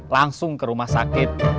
langsung kerumah sakit